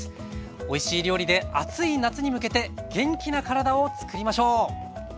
おいしい料理で暑い夏に向けて元気な体をつくりましょう。